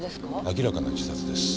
明らかな自殺です。